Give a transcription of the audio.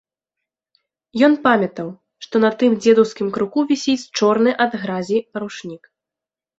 Ён памятаў, што на тым дзедаўскім круку вісіць чорны ад гразі ручнік.